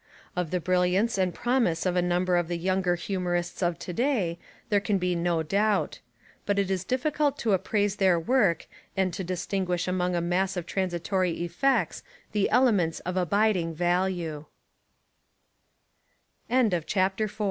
Of the brilliance and promise of a number of the younger humorists of to day there can be no doubt. But it is difficult to appraise their work and to distinguish among a mass of transitory effects the el